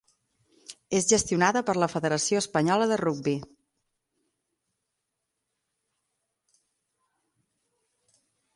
És gestionada per la Federació Espanyola de Rugbi.